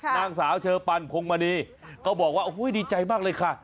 นางสาวเชอปันพงมณีก็บอกว่าโอ้โหดีใจมากเลยค่ะ